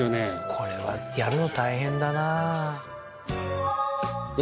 これはやるの大変だなお